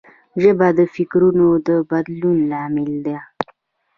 ژبه د فکرونو د بدلون لامل ده